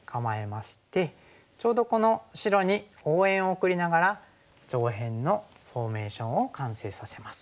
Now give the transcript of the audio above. ちょうどこの白に応援を送りながら上辺のフォーメーションを完成させます。